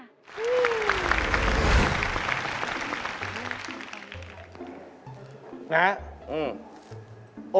คุณมีรอด